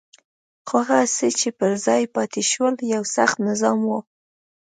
خو هغه څه چې پر ځای پاتې شول یو سخت نظام وو.